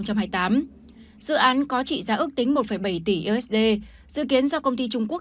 dự án có trị giá ước tính một bảy tỷ usd dự kiến do công ty trung quốc